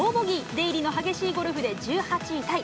出入りの激しいゴルフで１８位タイ。